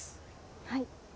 はい。